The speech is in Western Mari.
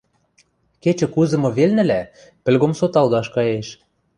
Кечӹ кузымы велнӹлӓ пӹлгом соталгаш каеш.